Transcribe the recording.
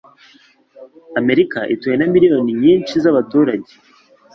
amerika ituwe na miliyoni nyinshi zabaturage